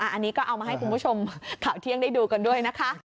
อันนี้ก็เอามาให้คุณผู้ชมข่าวเที่ยงได้ดูกันด้วยนะคะ